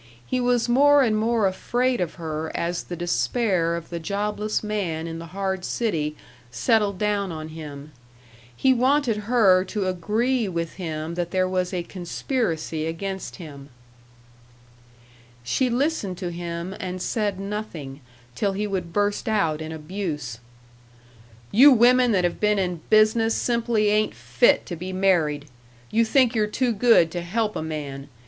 He was more and more afraid of her as the despair of the jobless man in the hard city settled down on him. He wanted her to agree with him that there was a conspiracy against him. She listened to him and said nothing, till he would burst out in abuse: "You women that have been in business simply ain't fit to be married. You think you're too good to help a man.